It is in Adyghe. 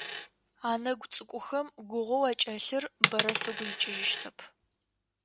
Анэгу цӏыкӏухэм гугъэу акӏэлъыр бэрэ сыгу икӏыжьыщтэп.